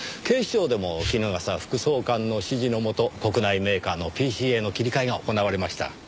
警視庁でも衣笠副総監の指示のもと国内メーカーのＰＣへの切り替えが行われました。